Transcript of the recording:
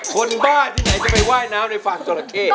บ้าที่ไหนจะไปว่ายน้ำในฟาร์มจราเข้